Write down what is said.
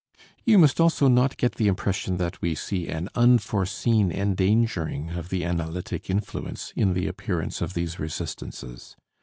You must also not get the impression that we see an unforeseen endangering of the analytic influence in the appearance of these resistances.